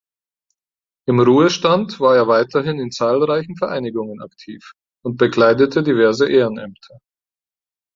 Im Ruhestand war er weiterhin in zahlreichen Vereinigungen aktiv und bekleidete diverse Ehrenämter.